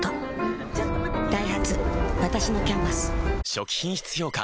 初期品質評価